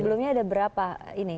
sebelumnya ada berapa ini